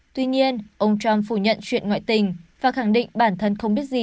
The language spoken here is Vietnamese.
tuy nhiên ông trump phủ nhận chuyện ngoại tình và khẳng định bản thân không biết gì